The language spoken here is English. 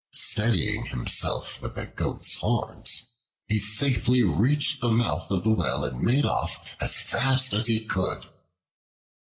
Steadying himself with the Goat's horns, he safely reached the mouth of the well and made off as fast as he could.